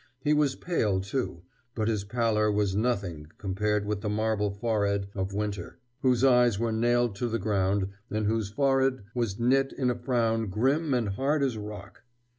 He was pale, too, but his pallor was nothing compared with the marble forehead of Winter, whose eyes were nailed to the ground, and whose forehead was knit in a frown grim and hard as rock.